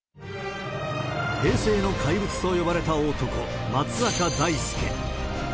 平成の怪物と呼ばれた男、松坂大輔。